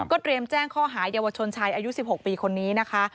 เตรียมแจ้งข้อหาเยาวชนชายอายุ๑๖ปีคนนี้นะคะ